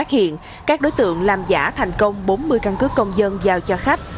phát hiện các đối tượng làm giả thành công bốn mươi căn cứ công dân giao cho khách